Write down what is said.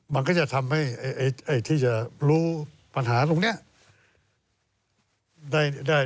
มันก็จะทำให้ที่จะรู้ปัญหาตรงนี้ได้